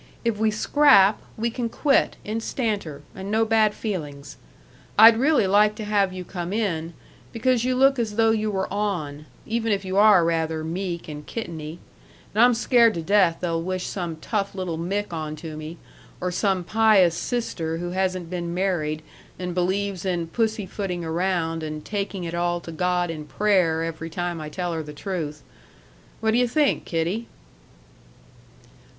If we scrap, we can quit instanter, and no bad feelings.... I'd really like to have you come in, because you look as though you were on, even if you are rather meek and kitteny; and I'm scared to death they'll wish some tough little Mick on to me, or some pious sister who hasn't been married and believes in pussy footing around and taking it all to God in prayer every time I tell her the truth.... What do you think, kiddy?"